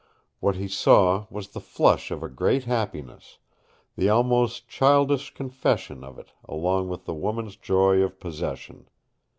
What he saw was the flush of a great happiness, the almost childish confession of it along with the woman's joy of possession.